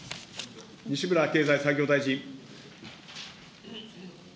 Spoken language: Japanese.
西村経済産業大臣。